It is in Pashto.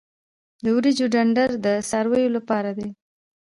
د وریجو ډنډر د څارویو لپاره دی.